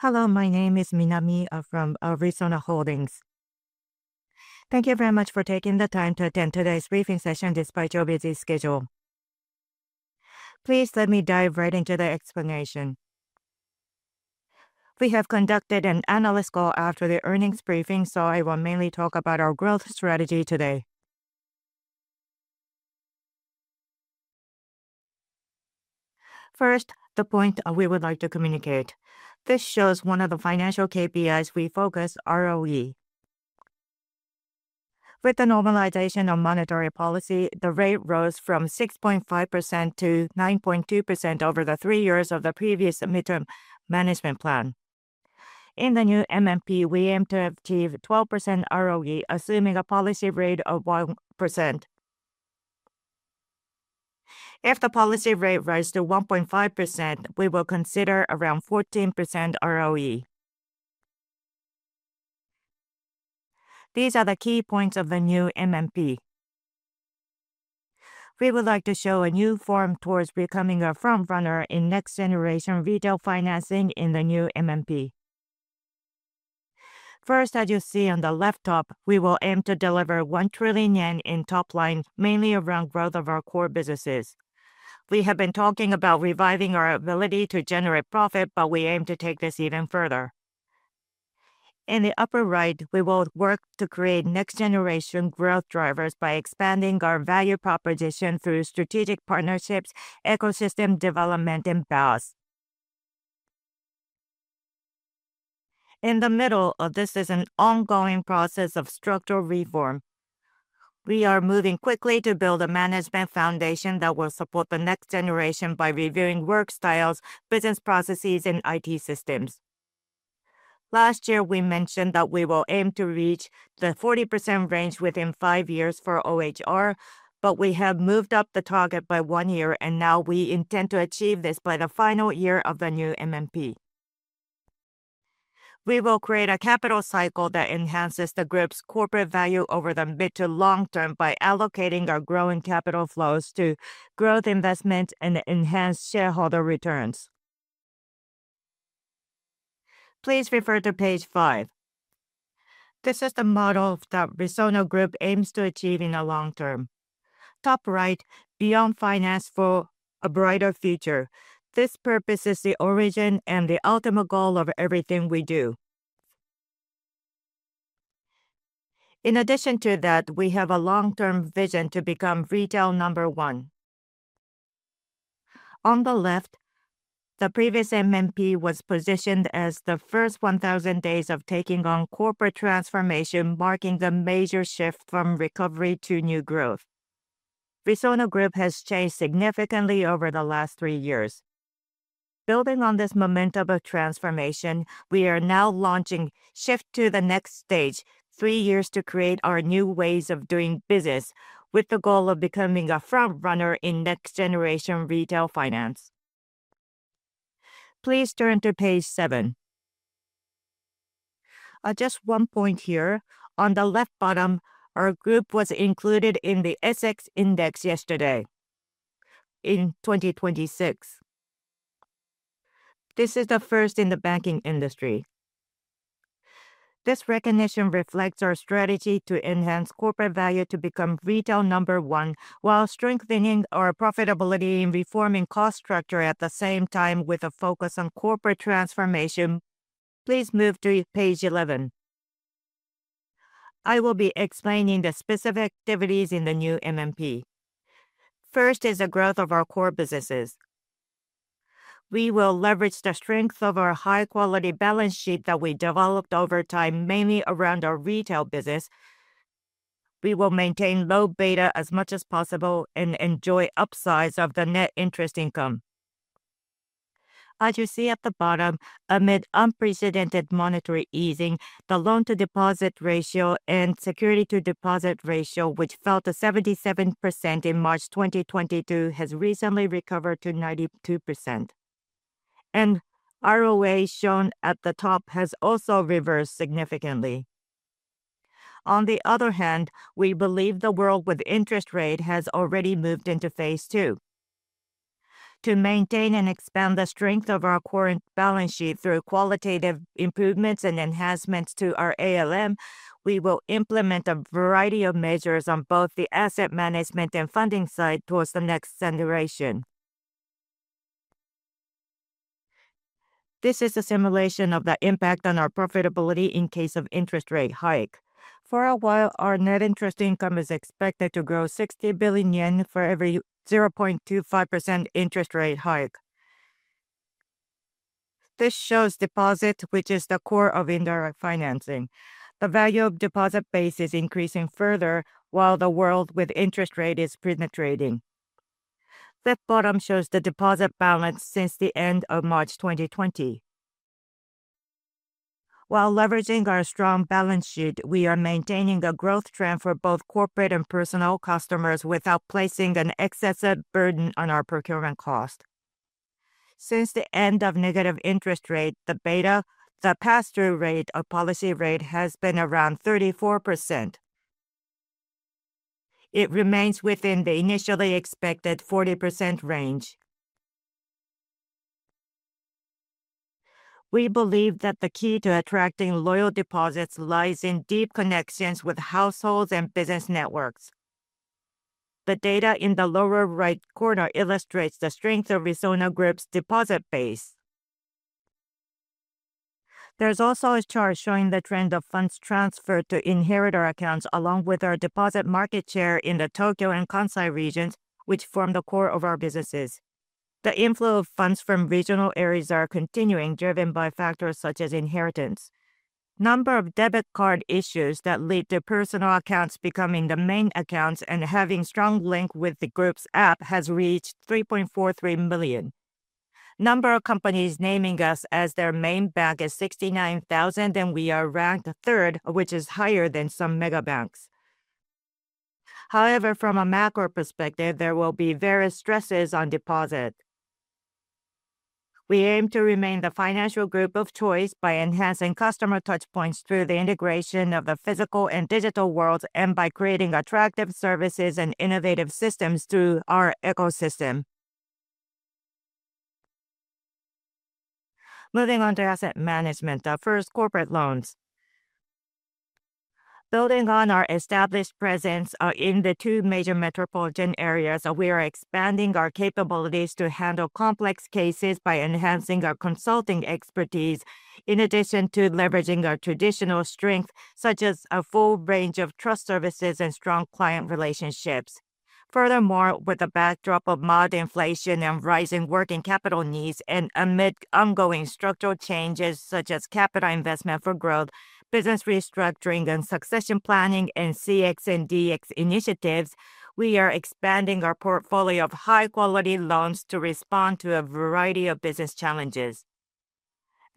Hello, my name is Minami from Resona Holdings. Thank you very much for taking the time to attend today's briefing session despite your busy schedule. Please let me dive right into the explanation. We have conducted an analyst call after the earnings briefing, so I will mainly talk about our growth strategy today. First, the point we would like to communicate. This shows one of the financial KPIs we focus, ROE. With the normalization of monetary policy, the rate rose from 6.5% to 9.2% over the three years of the previous Midterm Management Plan. In the new MMP, we aim to achieve 12% ROE, assuming a policy rate of 1%. If the policy rate rise to 1.5%, we will consider around 14% ROE. These are the key points of the new MMP. We would like to show a new form towards becoming a frontrunner in next-generation retail financing in the new MMP. First, as you see on the left top, we will aim to deliver 1 trillion yen in top line, mainly around growth of our core businesses. We have been talking about reviving our ability to generate profit, but we aim to take this even further. In the upper right, we will work to create next-generation growth drivers by expanding our value proposition through strategic partnerships, ecosystem development, and BaaS. In the middle of this is an ongoing process of structural reform. We are moving quickly to build a management foundation that will support the next generation by reviewing work styles, business processes, and IT systems. Last year, we mentioned that we will aim to reach the 40% range within five years for OHR, but we have moved up the target by one year, and now we intend to achieve this by the final year of the new MMP. We will create a capital cycle that enhances the Group's corporate value over the mid to long term by allocating our growing capital flows to growth investments and enhanced shareholder returns. Please refer to page five. This is the model that Resona Group aims to achieve in the long term. Top right, "Beyond Finance for a Brighter Future." This purpose is the origin and the ultimate goal of everything we do. In addition to that, we have a long-term vision to become Retail Number One. On the left, the previous MMP was positioned as the first 1,000 days of taking on corporate transformation, marking the major shift from recovery to new growth. Resona Group has changed significantly over the last three years. Building on this momentum of transformation, we are now launching Shift to the Next Stage, Three Years to Create Our New Ways of Doing Business, with the goal of becoming a frontrunner in next-generation retail finance. Please turn to page seven. Just one point here. On the left bottom, our Group was included in the SX Brands yesterday in 2026. This is the first in the banking industry. This recognition reflects our strategy to enhance corporate value to become Retail Number One while strengthening our profitability and reforming cost structure at the same time with a focus on corporate transformation. Please move to page 11. I will be explaining the specific activities in the new MMP. First is the growth of our core businesses. We will leverage the strength of our high-quality balance sheet that we developed over time, mainly around our retail business. We will maintain low beta as much as possible and enjoy upsize of the net interest income. As you see at the bottom, amid unprecedented monetary easing, the loan-to-deposit ratio and security-to-deposit ratio, which fell to 77% in March 2022, has recently recovered to 92%. ROA, shown at the top, has also reversed significantly. On the other hand, we believe the world with interest rate has already moved into phase two. To maintain and expand the strength of our current balance sheet through qualitative improvements and enhancements to our ALM, we will implement a variety of measures on both the asset management and funding side towards the next generation. This is a simulation of the impact on our profitability in case of interest rate hike. For a while, our net interest income is expected to grow 60 billion yen for every 0.25% interest rate hike. This shows deposit, which is the core of indirect financing. The value of deposit base is increasing further while the world with interest rate is penetrating. Fifth bottom shows the deposit balance since the end of March 2020. While leveraging our strong balance sheet, we are maintaining a growth trend for both corporate and personal customers without placing an excessive burden on our procurement cost. Since the end of negative interest rate, the pass-through rate of policy rate has been around 34%. It remains within the initially expected 40% range. We believe that the key to attracting loyal deposits lies in deep connections with households and business networks. The data in the lower right corner illustrates the strength of Resona Group's deposit base. There's also a chart showing the trend of funds transferred to inheritor accounts, along with our deposit market share in the Tokyo and Kansai regions, which form the core of our businesses. The inflow of funds from regional areas are continuing, driven by factors such as inheritance. Number of debit card issues that lead to personal accounts becoming the main accounts and having strong link with the Group's app has reached 3.43 million. Number of companies naming us as their main bank is 69,000, and we are ranked third, which is higher than some mega banks. From a macro perspective, there will be various stresses on deposit. We aim to remain the financial group of choice by enhancing customer touchpoints through the integration of the physical and digital world, and by creating attractive services and innovative systems through our ecosystem. Moving on to asset management. First, corporate loans. Building on our established presence in the two major metropolitan areas, we are expanding our capabilities to handle complex cases by enhancing our consulting expertise, in addition to leveraging our traditional strength, such as a full range of trust services and strong client relationships. Furthermore, with the backdrop of mild inflation and rising working capital needs, and amid ongoing structural changes such as capital investment for growth, business restructuring and succession planning, and CX and DX initiatives, we are expanding our portfolio of high-quality loans to respond to a variety of business challenges.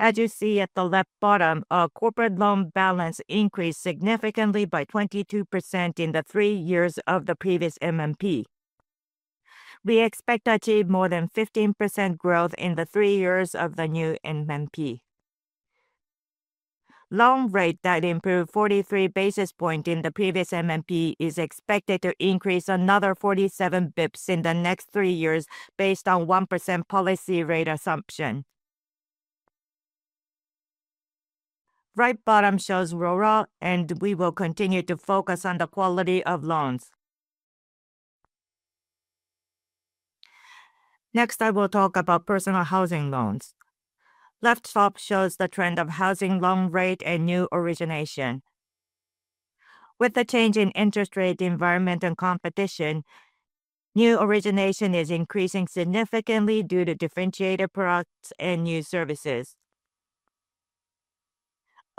As you see at the left bottom, our corporate loan balance increased significantly by 22% in the three years of the previous MMP. We expect to achieve more than 15% growth in the three years of the new MMP. Loan rate that improved 43 basis points in the previous MMP is expected to increase another 47 basis points in the next three years based on 1% policy rate assumption. Right bottom shows RORA, and we will continue to focus on the quality of loans. Next, I will talk about personal housing loans. Left top shows the trend of housing loan rate and new origination. With the change in interest rate environment and competition, new origination is increasing significantly due to differentiated products and new services.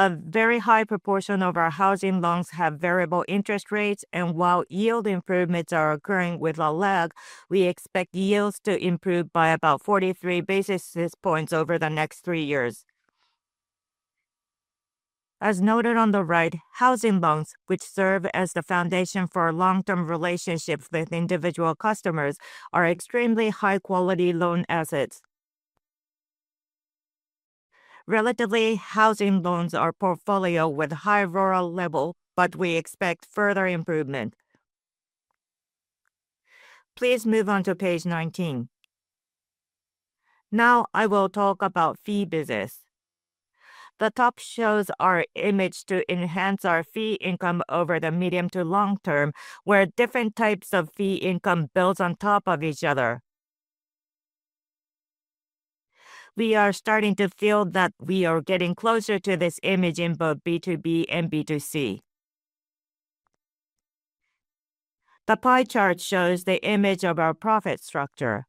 A very high proportion of our housing loans have variable interest rates, and while yield improvements are occurring with a lag, we expect yields to improve by about 43 basis points over the next three years. As noted on the right, housing loans, which serve as the foundation for long-term relationships with individual customers, are extremely high-quality loan assets. Relatively, housing loans are portfolio with high RORA level, but we expect further improvement. Please move on to page 19. Now, I will talk about fee business. The top shows our image to enhance our fee income over the medium to long term, where different types of fee income builds on top of each other. We are starting to feel that we are getting closer to this image in both B2B and B2C. The pie chart shows the image of our profit structure.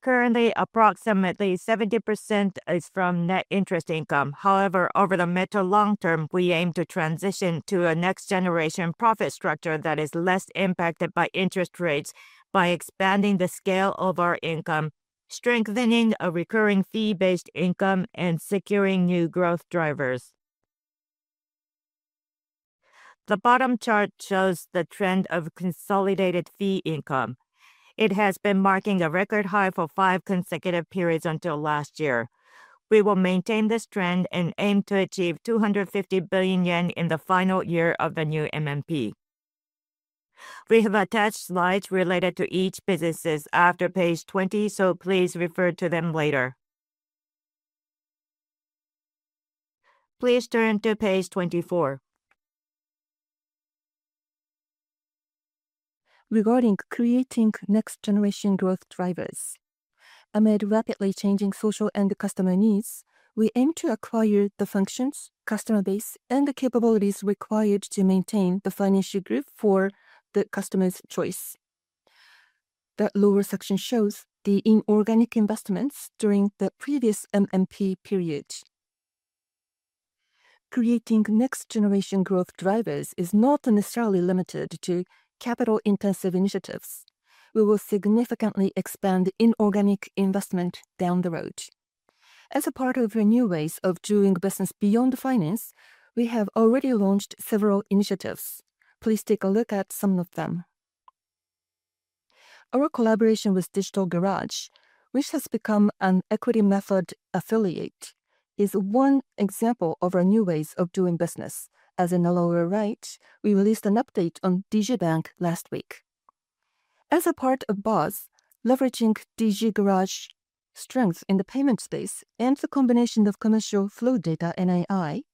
Currently, approximately 70% is from net interest income. However, over the mid to long term, we aim to transition to a next-generation profit structure that is less impacted by interest rates by expanding the scale of our income, strengthening a recurring fee-based income, and securing new growth drivers. The bottom chart shows the trend of consolidated fee income. It has been marking a record high for five consecutive periods until last year. We will maintain this trend and aim to achieve 250 billion yen in the final year of the new MMP. We have attached slides related to each businesses after page 20, so please refer to them later. Please turn to page 24. Regarding creating next-generation growth drivers. Amid rapidly changing social and customer needs, we aim to acquire the functions, customer base, and the capabilities required to maintain the financial group for the customer's choice. The lower section shows the inorganic investments during the previous MMP period. Creating next-generation growth drivers is not necessarily limited to capital-intensive initiatives. We will significantly expand inorganic investment down the road. As a part of our new ways of doing business beyond finance, we have already launched several initiatives. Please take a look at some of them. Our collaboration with Digital Garage, which has become an equity method affiliate, is one example of our new ways of doing business. As in the lower right, we released an update on DG Bank last week. As a part of BaaS, leveraging Digital Garage strength in the payment space and the combination of commercial flow data and AI,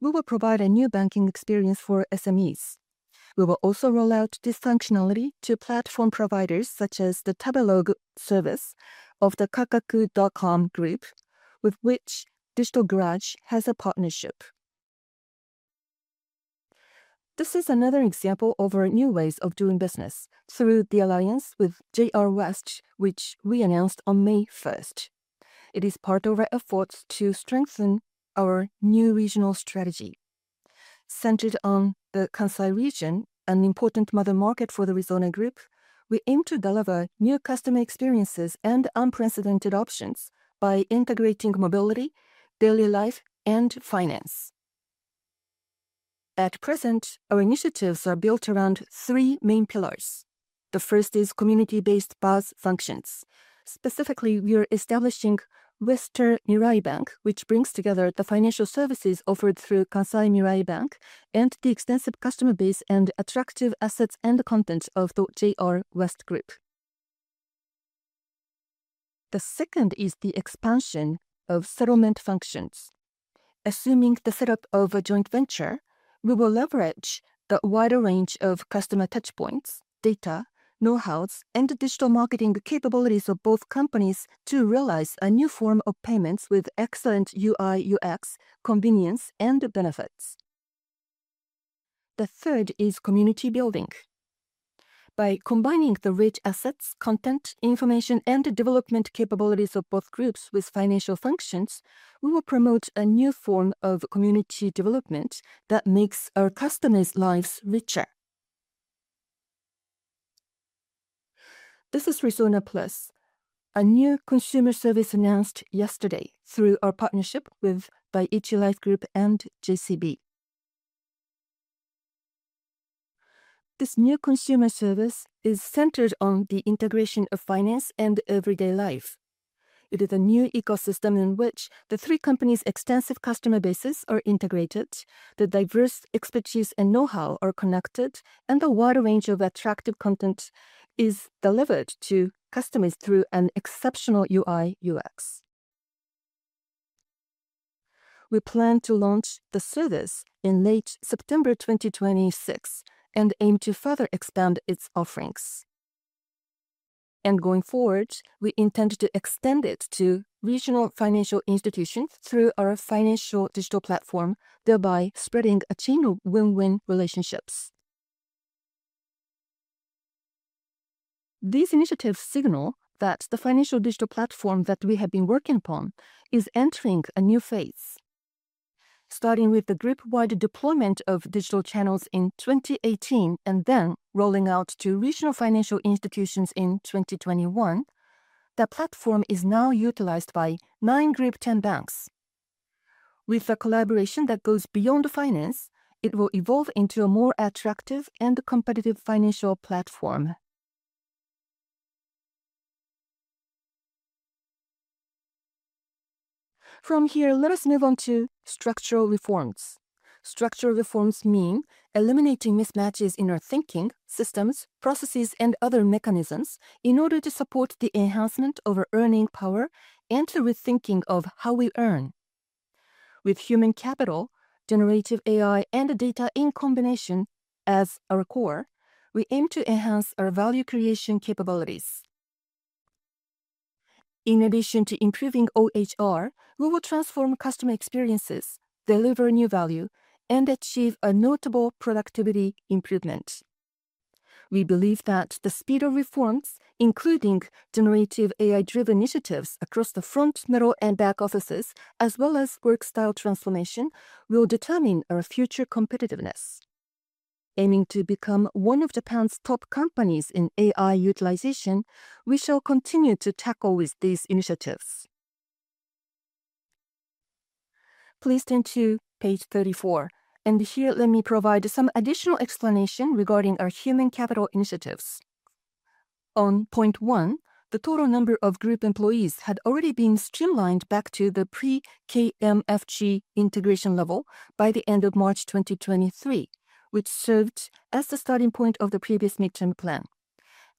we will provide a new banking experience for SMEs. We will also roll out this functionality to platform providers such as the Tabelog service of the Kakaku.com Group, with which Digital Garage has a partnership. This is another example of our new ways of doing business through the alliance with JR West, which we announced on May 1st. It is part of our efforts to strengthen our new regional strategy. Centered on the Kansai region, an important mother market for the Resona Group, we aim to deliver new customer experiences and unprecedented options by integrating mobility, daily life, and finance. At present, our initiatives are built around three main pillars. The first is community-based BaaS functions. Specifically, we are establishing Kansai Mirai Bank, which brings together the financial services offered through Kansai Mirai Bank and the extensive customer base and attractive assets and content of the JR West Group. The second is the expansion of settlement functions. Assuming the setup of a joint venture, we will leverage the wider range of customer touchpoints, data, knowhows, and digital marketing capabilities of both companies to realize a new form of payments with excellent UI/UX, convenience, and benefits. The third is community building. By combining the rich assets, content, information, and development capabilities of both groups with financial functions, we will promote a new form of community development that makes our customers' lives richer. This is Resona Plus, a new consumer service announced yesterday through our partnership with Dai-ichi Life Group and JCB. This new consumer service is centered on the integration of finance and everyday life. It is a new ecosystem in which the three companies' extensive customer bases are integrated, their diverse expertise and know-how are connected, and a wide range of attractive content is delivered to customers through an exceptional UI/UX. We plan to launch the service in late September 2026 and aim to further expand its offerings. Going forward, we intend to extend it to regional financial institutions through our financial digital platform, thereby spreading a chain of win-win relationships. These initiatives signal that the financial digital platform that we have been working on is entering a new phase. Starting with the group-wide deployment of digital channels in 2018 and then rolling out to regional financial institutions in 2021, the platform is now utilized by nine Group 10 banks. With a collaboration that goes beyond finance, it will evolve into a more attractive and competitive financial platform. From here, let us move on to structural reforms. Structural reforms mean eliminating mismatches in our thinking, systems, processes, and other mechanisms in order to support the enhancement of our earning power and the rethinking of how we earn. With human capital, generative AI, and data in combination as our core, we aim to enhance our value creation capabilities. In addition to improving OHR, we will transform customer experiences, deliver new value, and achieve a notable productivity improvement. We believe that the speed of reforms, including generative AI-driven initiatives across the front, middle, and back offices, as well as work style transformation, will determine our future competitiveness. Aiming to become one of Japan's top companies in AI utilization, we shall continue to tackle with these initiatives. Please turn to page 34. Here, let me provide some additional explanation regarding our human capital initiatives. On point one, the total number of group employees had already been streamlined back to the pre-KMFG integration level by the end of March 2023, which served as the starting point of the previous Midterm Management Plan.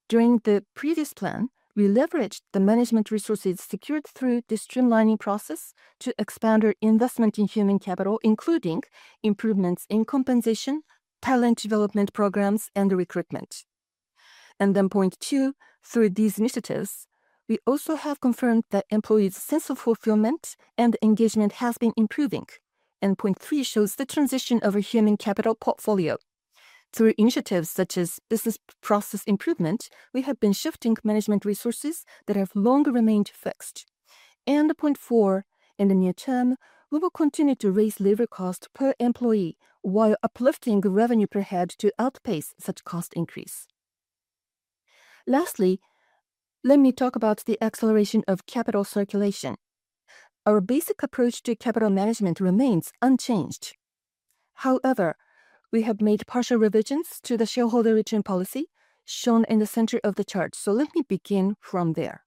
During the previous Plan, we leveraged the management resources secured through the streamlining process to expand our investment in human capital, including improvements in compensation, talent development programs, and recruitment. Point two, through these initiatives, we also have confirmed that employees' sense of fulfillment and engagement has been improving. Point three shows the transition of our human capital portfolio. Through initiatives such as business process improvement, we have been shifting management resources that have long remained fixed. Point four, in the near term, we will continue to raise labor cost per employee while uplifting revenue per head to outpace such cost increase. Lastly, let me talk about the acceleration of capital circulation. Our basic approach to capital management remains unchanged. We have made partial revisions to the shareholder return policy shown in the center of the chart. Let me begin from there.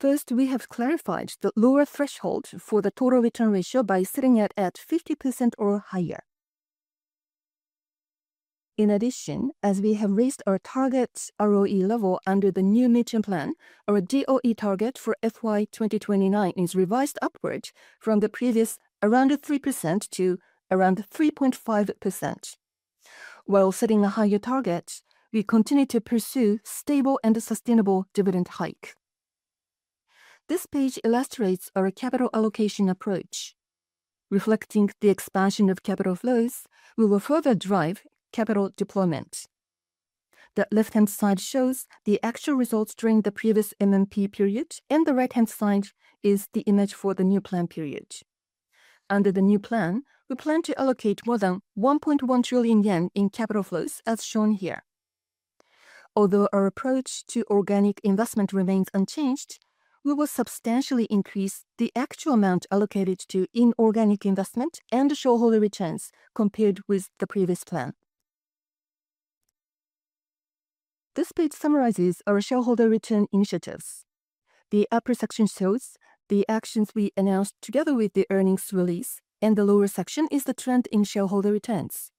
First, we have clarified the lower threshold for the total return ratio by setting it at 50% or higher. In addition, as we have raised our target ROE level under the new Midterm Management Plan, our ROE target for FY 2029 is revised upward from the previous around 3% to around 3.5%. While setting a higher target, we continue to pursue stable and sustainable dividend hike. This page illustrates our capital allocation approach. Reflecting the expansion of capital flows, we will further drive capital deployment. The left-hand side shows the actual results during the previous MMP period, and the right-hand side is the image for the new plan period. Under the new plan, we plan to allocate more than 1.1 trillion yen in capital flows as shown here. Although our approach to organic investment remains unchanged, we will substantially increase the actual amount allocated to inorganic investment and shareholder returns compared with the previous plan. This page summarizes our shareholder return initiatives. The upper section shows the actions we announced together with the earnings release, and the lower section is the trend in shareholder returns.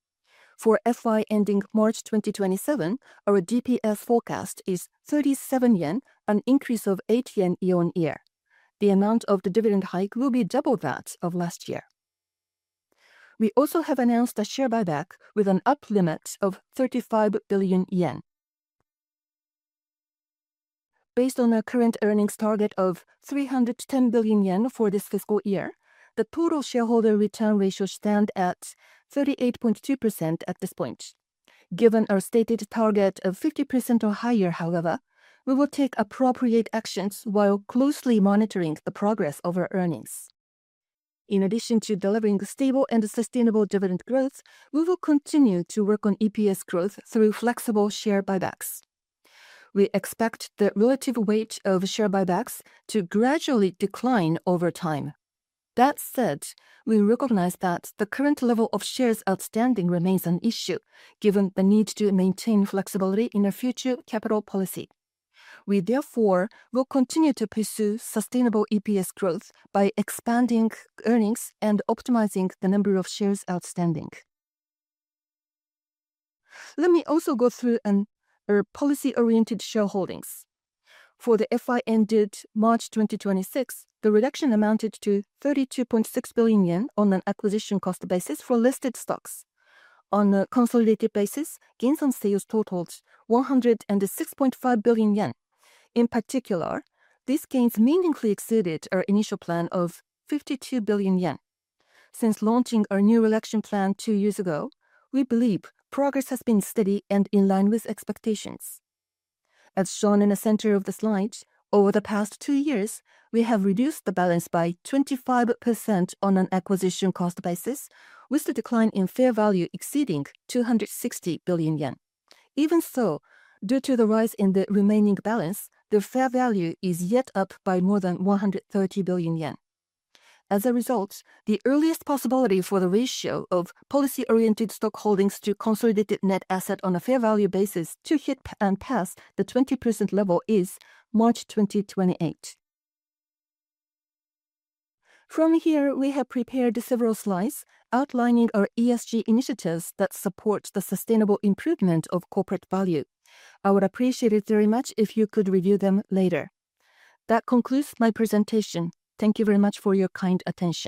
For FY ending March 2027, our DPS forecast is 37 yen, an increase of 8 yen year on year. The amount of the dividend hike will be double that of last year. We also have announced a share buyback with an up limit of 35 billion yen. Based on our current earnings target of 310 billion yen for this fiscal year, the total shareholder return ratio stands at 38.2% at this point. Given our stated target of 50% or higher, however, we will take appropriate actions while closely monitoring the progress of our earnings. In addition to delivering stable and sustainable dividend growth, we will continue to work on EPS growth through flexible share buybacks. We expect the relative weight of share buybacks to gradually decline over time. That said, we recognize that the current level of shares outstanding remains an issue given the need to maintain flexibility in our future capital policy. We therefore will continue to pursue sustainable EPS growth by expanding earnings and optimizing the number of shares outstanding. Let me also go through our policy-oriented shareholdings. For the FY ended March 2026, the reduction amounted to ¥32.6 billion on an acquisition cost basis for listed stocks. On a consolidated basis, gains on sales totaled ¥106.5 billion. In particular, these gains meaningfully exceeded our initial plan of ¥52 billion. Since launching our new reduction plan two years ago, we believe progress has been steady and in line with expectations. As shown in the center of the slide, over the past two years, we have reduced the balance by 25% on an acquisition cost basis, with the decline in fair value exceeding 260 billion yen. Even so, due to the rise in the remaining balance, the fair value is yet up by more than 130 billion yen. As a result, the earliest possibility for the ratio of policy-oriented stock holdings to consolidated net asset on a fair value basis to hit and pass the 20% level is March 2028. From here, we have prepared several slides outlining our ESG initiatives that support the sustainable improvement of corporate value. I would appreciate it very much if you could review them later. That concludes my presentation. Thank you very much for your kind attention.